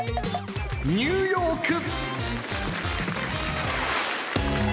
ニューヨーク。